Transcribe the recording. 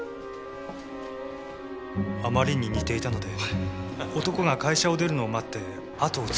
あまりに似ていたので男が会社を出るのを待って後をつけたんです。